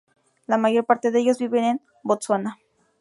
La mayor parte de ellos viven en Botsuana.